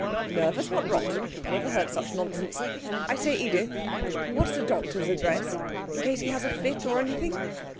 'Nervous? What rot! I never heard such nonsense. I say, Edith, what's the doctor's address? In case he has a fit, or anything.'